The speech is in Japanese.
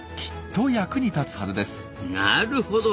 なるほど！